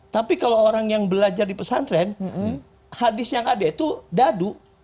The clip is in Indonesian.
tapi kalau orang yang belajar di pesantren hadis yang ada itu dadu